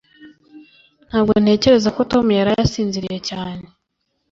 Ntabwo ntekereza ko Tom yaraye asinziriye cyane